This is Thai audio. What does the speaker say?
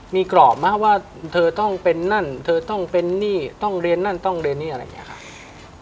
มีกรอบไหมว่าเธอต้องเป็นนั่นเธอต้องเป็นหนี้ต้องเรียนนั่นต้องเรียนนี่อะไรอย่างนี้ค่ะ